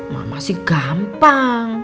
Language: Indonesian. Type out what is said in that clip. mama sih gampang